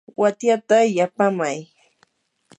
watyata yapaamay.